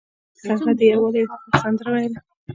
هغه د یووالي او اتفاق سندره ویله.